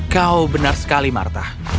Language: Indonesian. kau benar sekali martha